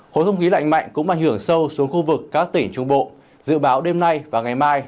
khối không khí lạnh mạnh cũng ảnh hưởng sâu xuống khu vực các tỉnh trung bộ dự báo đêm nay và ngày mai